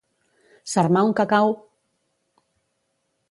S'armà un cacau!